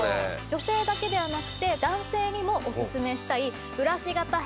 女性だけではなくて男性にもおすすめしたい。